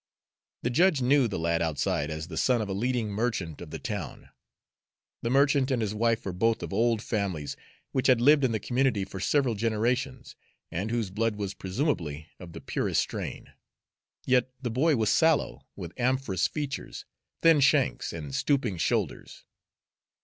The judge knew the lad outside as the son of a leading merchant of the town. The merchant and his wife were both of old families which had lived in the community for several generations, and whose blood was presumably of the purest strain; yet the boy was sallow, with amorphous features, thin shanks, and stooping shoulders.